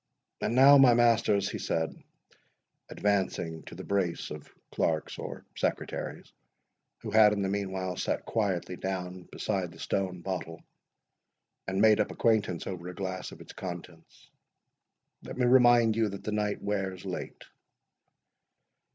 —And now, my masters," he said, advancing to the brace of clerks or secretaries, who had in the meanwhile sate quietly down beside the stone bottle, and made up acquaintance over a glass of its contents—"Let me remind you, that the night wears late."